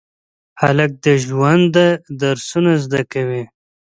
هلک د ژونده درسونه زده کوي.